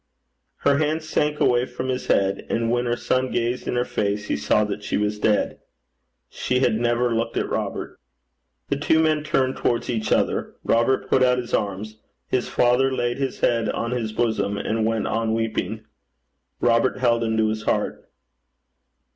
Her hands sank away from his head, and when her son gazed in her face he saw that she was dead. She had never looked at Robert. The two men turned towards each other. Robert put out his arms. His father laid his head on his bosom, and went on weeping. Robert held him to his heart.